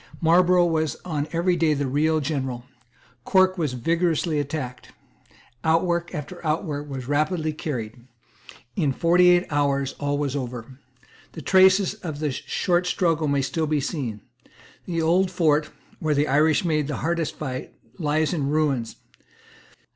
Marlborough was on every day the real general. Cork was vigorously attacked. Outwork after outwork was rapidly carried. In forty eight hours all was over. The traces of the short struggle may still be seen. The old fort, where the Irish made the hardest fight, lies in ruins.